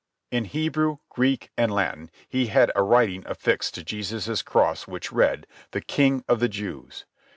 In Hebrew, Greek, and Latin he had a writing affixed to Jesus' cross which read, "The King of the Jews."